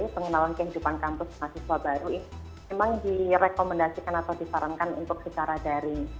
pengenalan kehidupan kampus mahasiswa baru ini memang direkomendasikan atau disarankan untuk secara daring